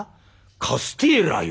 「カステーラよ」。